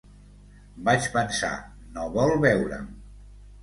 Vaig pensar, no vol veurem.